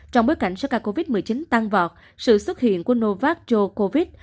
trong bối cảnh số ca covid một mươi chín tăng vọt sự xuất hiện của novak djokovic